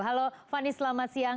halo fani selamat siang